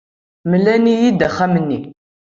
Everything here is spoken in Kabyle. Mlan-iyi-d axxam-nni.